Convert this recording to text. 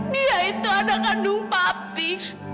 dia itu ada kandung papi